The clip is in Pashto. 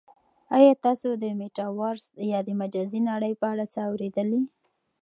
آیا تاسو د میټاورس یا د مجازی نړۍ په اړه څه اورېدلي؟